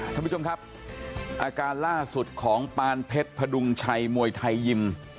ท่านผู้ชมครับอาการล่าสุดของปานเพชรพดุงชัยมวยไทยยิม